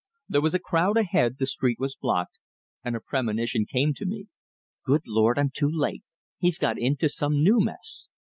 There was a crowd ahead, the street was blocked, and a premonition came to me: "Good Lord, I'm too late he's got into some new mess!"